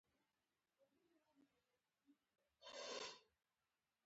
توره شین رنګ شوه.